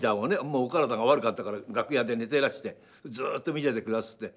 もうお体が悪かったから楽屋で寝てらしてずっと見ててくだすって。